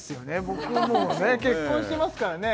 僕もうね結婚してますからね